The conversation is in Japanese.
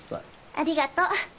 ありがとう。